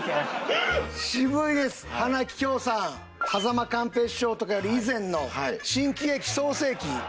間寛平師匠とかより以前の新喜劇創世記？